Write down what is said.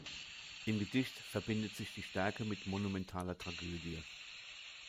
Im Gedicht verbindet sich die Stärke mit monumentaler Tragödie.